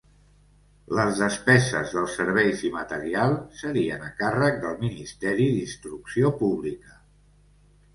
Les despeses dels serveis i material serien a càrrec del Ministeri d'Instrucció Pública.